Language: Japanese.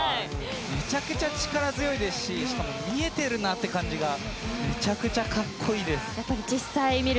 めちゃくちゃ力強いですししかも見えているなという感じがめちゃくちゃカッコイイです。